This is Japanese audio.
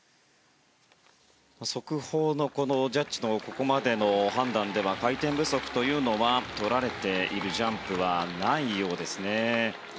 速報のジャッジのここまでの判断では回転不足をとられているジャンプはないようです。